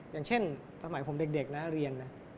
อย่างเช่นสมัยผมเด็กนะเรียนนะ